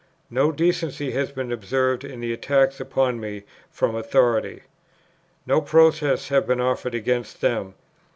No decency has been observed in the attacks upon me from authority; no protests have been offered against them.